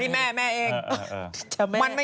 นี่แม่แม่เอง